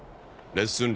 レッスン料。